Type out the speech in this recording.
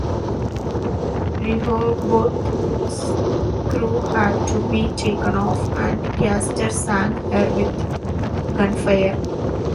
"Rehoboth"s crew had to be taken off, and "Castor" sank her with gunfire.